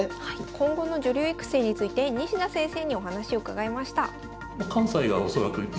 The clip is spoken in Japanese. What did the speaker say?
今後の女流育成について西田先生にお話を伺いました。